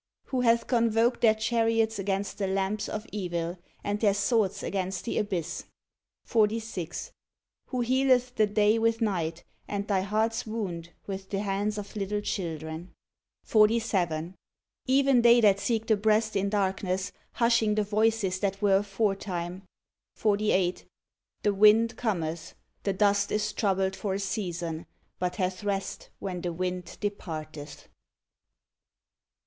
Who hath convoked their chariots against the lamps of Evil, and their swords against the abyss. 46. Who healeth the day with night, and thy heart's wound with the hands of little children; 47. Even they that seek the breast in darkness, hushing the voices that were aforetime. 48. The wind cometh, the dust is troubled for a season, but hath rest when the wind departeth.